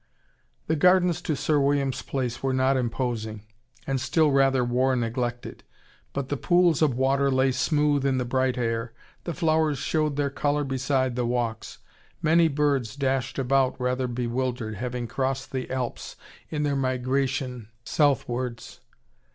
The gardens to Sir William's place were not imposing, and still rather war neglected. But the pools of water lay smooth in the bright air, the flowers showed their colour beside the walks. Many birds dashed about, rather bewildered, having crossed the Alps in their migration southwards.